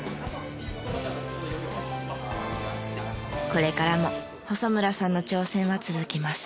これからも細村さんの挑戦は続きます。